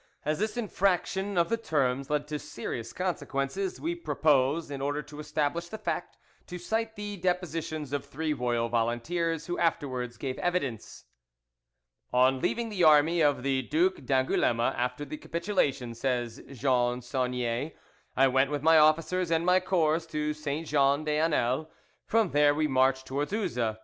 As this infraction of the terms led to serious consequences, we propose, in order to establish the fact, to cite the depositions of three royal volunteers who afterwards gave evidence. "On leaving the army of the Duc d'Angouleme after the capitulation," says Jean Saunier, "I went with my officers and my corps to Saint Jean des Anels. From there we marched towards Uzes.